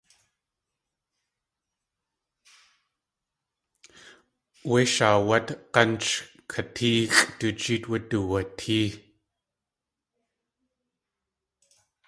Wé shaawát g̲ánch katʼéexʼ du jeet wuduwatée.